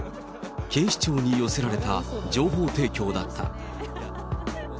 警視庁に寄せられた情報提供だった。